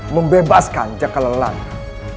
membebaskan jekal lelana